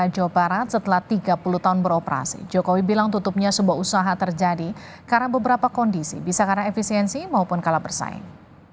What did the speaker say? jokowi bilang tutupnya sebuah usaha terjadi karena beberapa kondisi bisa karena efisiensi maupun kalah bersaing